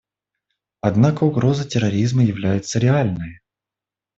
Однако угроза терроризма является реальной.